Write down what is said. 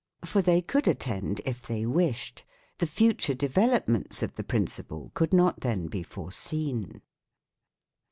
1 For they could attend if they wished. The future de velopments of the principle could not then be foreseen.